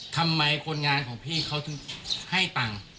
ทำไมคนงานของพี่เขาถึงให้ตังค์